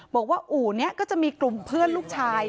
อู่นี้ก็จะมีกลุ่มเพื่อนลูกชาย